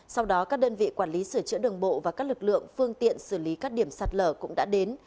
sau đó các đơn vị quản lý sửa chữa đường bộ và các lực lượng phương tiện xử lý các điểm sạt lở cũng đã đến